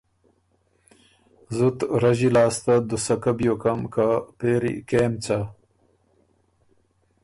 زُت رݫی لاسته دُوسکۀ بیوکم که پېری کېم څۀ؟